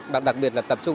và đặc biệt là tập trung